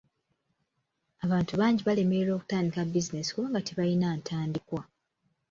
Abantu bangi balemererwa okutandika bizinensi kubanga tebalina ntandikwa.